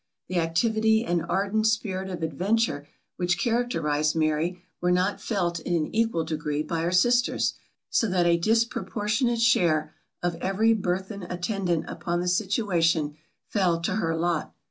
The activity and ardent spirit of adventure which characterized Mary, were not felt in an equal degree by her sisters, so that a disproportionate share of every burthen attendant upon the situation, fell to her lot.